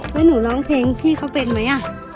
แล้วหนูร้องเพลงพี่เขาเป็นไหม